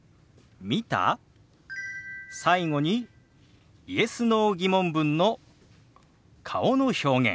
最後にＹｅｓ／Ｎｏ−疑問文の顔の表現。